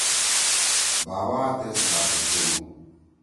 باوا تیس ڈاکٹر کے نُو۔